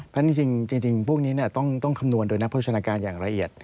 เพราะฉะนั้นจริงพวกนี้ต้องคำนวณโดยนักโภชนาการอย่างละเอียด